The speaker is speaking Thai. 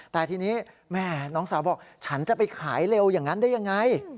แต่ทีนี้แม่น้องสาวบอกฉันจะไปขายเร็วอย่างนั้นได้ยังไง